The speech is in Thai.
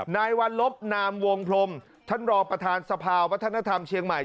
นายวัลลบนามวงพรมท่านรองประธานสภาวัฒนธรรมเชียงใหม่